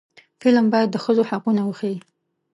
فلم باید د ښځو حقونه وښيي